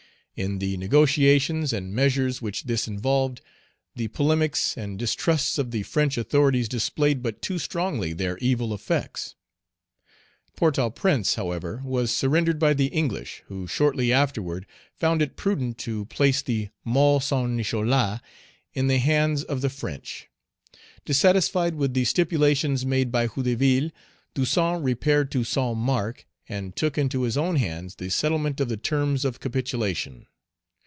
In the negotiations and measures which this involved, the polemics and distrusts of the French authorities displayed but too strongly their evil effects. Port au Prince, however, was surrendered by the English, who shortly afterward found it prudent to place the Môle Saint Nicholas in the hands of the French. Dissatisfied with the stipulations made by Hédouville, Toussaint repaired to Saint Marc, and took into his own hands the settlement of the terms of capitulation.